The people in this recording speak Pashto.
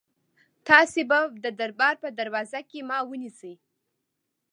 تاسي به د دربار په دروازه کې ما ونیسئ.